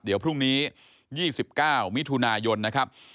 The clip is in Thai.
เดี๋ยวพรุ่งนี้๒๙มิถุนายนนะครับ